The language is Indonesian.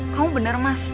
kamu bener mas